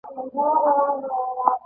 د ایریدانوس سوپر وایډ کشف شوی.